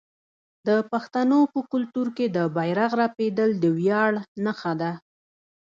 د پښتنو په کلتور کې د بیرغ رپیدل د ویاړ نښه ده.